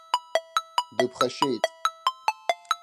Дыԥхашьеит.